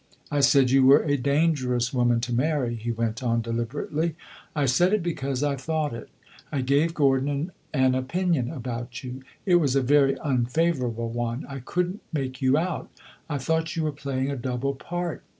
"I said you were a dangerous woman to marry," he went on deliberately. "I said it because I thought it. I gave Gordon an opinion about you it was a very unfavorable one. I could n't make you out I thought you were playing a double part.